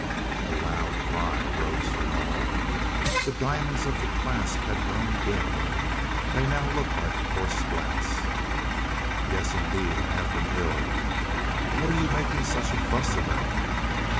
A loud cry rose from all. The diamonds of the clasp had grown dim. They now looked like coarse glass. "Yes, indeed, I have been ill! What are you making such a fuss about?"